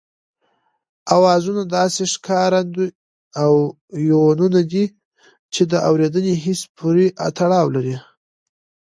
آوازونه داسې ښکارندې او يوونونه دي چې د اورېدني حس پورې تړاو لري